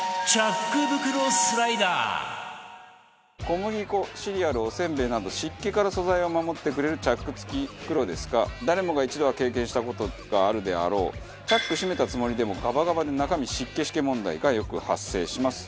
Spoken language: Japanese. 小麦粉シリアルおせんべいなど湿気から素材を守ってくれるチャック付き袋ですが誰もが一度は経験した事があるであろうチャック閉めたつもりでもガバガバで中身シケシケ問題がよく発生します。